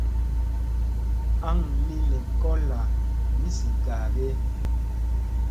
Aŋ li lekolla ni zi gaage ?